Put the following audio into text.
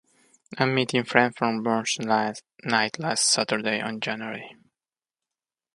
I'm meeting friends for Burns Night the last Saturday in January.